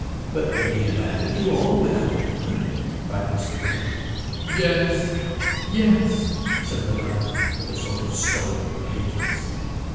"But would he abandon you all without a word?" cried Mr. May. "Yes! Yes!" said Madame, with a sort of stoic pathos.